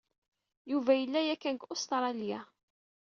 Yuba yella yakan deg Ustṛalya.